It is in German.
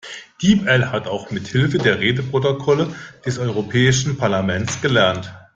Deep-L hat auch mithilfe der Redeprotokolle des europäischen Parlaments gelernt.